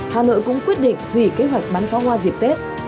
hà nội cũng quyết định hủy kế hoạch bắn pháo hoa dịp tết